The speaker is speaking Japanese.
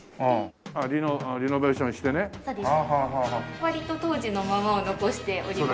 割と当時のものを残しております。